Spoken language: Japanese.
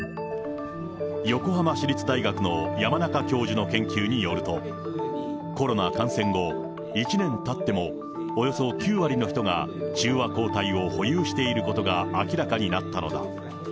横浜市立大学の山中教授の研究によると、コロナ感染後、１年たっても、およそ９割の人が中和抗体を保有していることが明らかになったのだ。